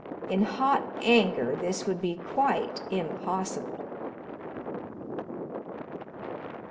In hot anger this would be quite impossible.